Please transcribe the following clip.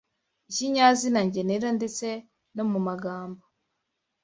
ikinyazina ngenera ndetse no mu magambo